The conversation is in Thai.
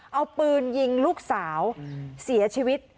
เอาปืนยิงลูกสาวเสียชีวิต